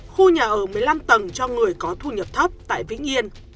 khu nhà ở một mươi năm tầng cho người có thu nhập thấp tại vĩnh yên